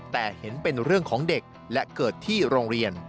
แต่เห็นเป็นเรื่องของเด็กและเกิดที่โรงเรียน